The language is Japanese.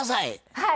はい。